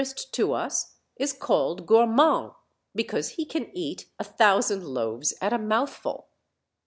est to ns is called Gormand, because he can eat a tiion sand loaves at a mouthful.